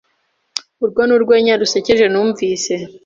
Urwo nirwenya rusekeje numvise.